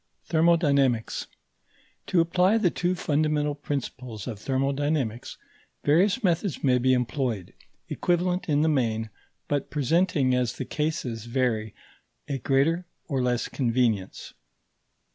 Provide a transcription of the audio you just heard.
THERMODYNAMICS To apply the two fundamental principles of thermodynamics, various methods may be employed, equivalent in the main, but presenting as the cases vary a greater or less convenience.